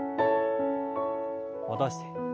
戻して。